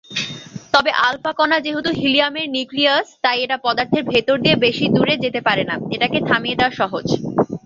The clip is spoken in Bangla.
তবে আলফা কণা যেহেতু হিলিয়ামের নিউক্লিয়াস, তাই এটা পদার্থের ভেতর দিয়ে বেশি দূর যেতে পারে না-এটাকে থামিয়ে দেয়া সহজ।